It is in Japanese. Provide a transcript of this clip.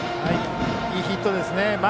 いいヒットですね。